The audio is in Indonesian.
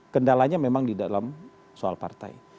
kendalanya memang di dalam soal partai